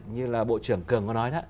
như là bộ trưởng cường có nói